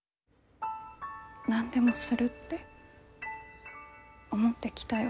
何でもするって思ってきたよ。